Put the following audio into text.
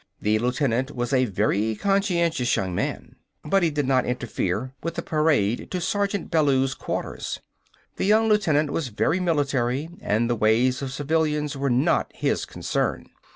The lieutenant was a very conscientious young man. But he did not interfere with the parade to Sergeant Bellews' quarters. The young lieutenant was very military, and the ways of civilians were not his concern.